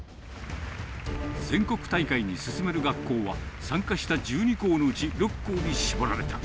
全国大会に進める学校は、参加した１２校のうち６校に絞られた。